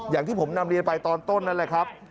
อย่างที่ผมนำเรียนไปตอนต้นนั่นแหละครับ